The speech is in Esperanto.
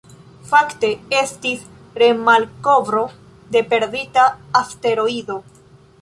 Fakte, estis re-malkovro de perdita asteroido.